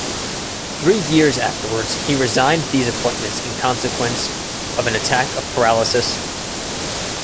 Three years afterwards he resigned these appointments in consequence of an attack of paralysis.